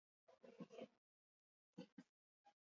Espezie askok bizarra izaten dute.